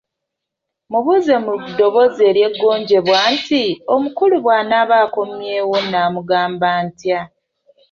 Mubuuze mu ddoboozi eryeggonjebwa nti, "Omukulu bwanaaba akomyewo nnaamugamba ntya?